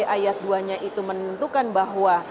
ayat dua nya itu menentukan bahwa